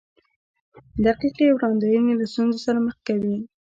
دقیقې وړاندوینې له ستونزو سره مخ کوي.